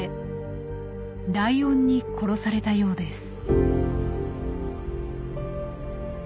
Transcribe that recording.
ライオンに殺されたようです。